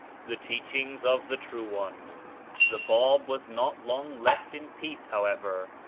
THE TEACHINGS OF THE TRUE ONE. The Bab was not long left in peace, how ever.